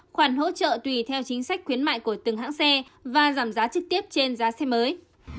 khoản hỗ trợ tùy theo chính sách khuyến mại của từng hãng xe và giảm giá trực tiếp trên giá xe mới